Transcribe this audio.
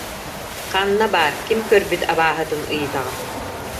Ханна баар, ким көрбүт абааһытын ыйытаҕын